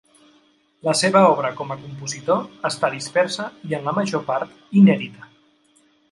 La seva obra com a compositor està dispersa i, en la major part, inèdita.